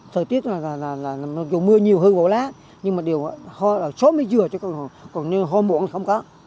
thời tiết là dù mưa nhiều hơi vỗ lá nhưng mà đều hoa ở số mới dừa còn hô muộn thì không có